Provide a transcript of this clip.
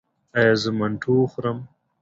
ایا زه منتو وخورم؟